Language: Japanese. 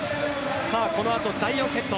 この後、第４セット。